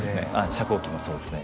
遮光器もそうですね